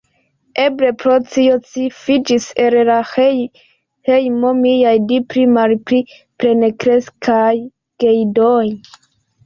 Eble pro ĉio ĉi fuĝis el la hejmo miaj du pli-malpli plenkreskaj geidoj.